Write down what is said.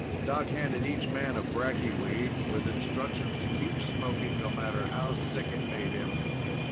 Doc handed each man a bracky weed, with instructions to keep smoking, no matter how sick it made him.